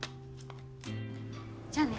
じゃあね。